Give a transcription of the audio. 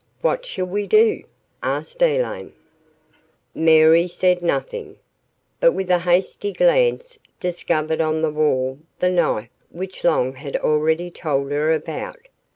"What shall we do?" asked Elaine. Mary said nothing, but with a hasty glance discovered on the wall the knife which Long had already told her about.